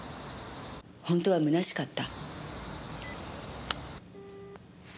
本当はむなしかった？